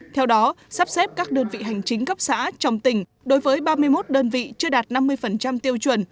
theo đó sắp xếp các đơn vị hành chính cấp xã trong tỉnh đối với ba mươi một đơn vị chưa đạt năm mươi tiêu chuẩn